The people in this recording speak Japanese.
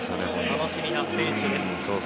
楽しみな選手です。